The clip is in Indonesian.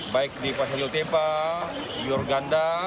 baik di pasir yotepa yorganda